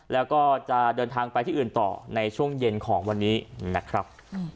แล้วก็จะเดินทางไปที่อื่นต่อในช่วงเย็นของวันนี้นะครับ